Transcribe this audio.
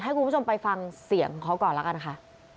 ให้คุณผู้ชมไปฟังเสียงเขาก่อนแล้วกันค่ะ